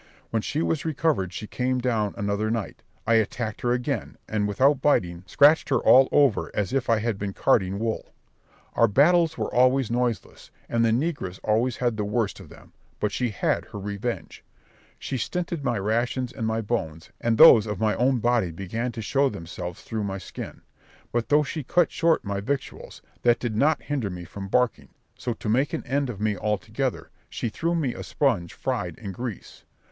When she was recovered, she came down another night: I attacked her again; and without biting, scratched her all over as if I had been carding wool. Our battles were always noiseless, and the negress always had the worst of them; but she had her revenge. She stinted my rations and my bones, and those of my own body began to show themselves through my skin. But though she cut short my victuals, that did not hinder me from barking; so to make an end of me altogether, she threw me a sponge fried in grease.